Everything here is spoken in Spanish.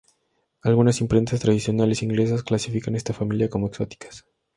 Algunas imprentas tradicionales inglesas clasifican esta familia como "exóticas".